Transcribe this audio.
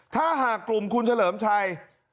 ถ้าหากกลุ่มคุณเฉลิมชัย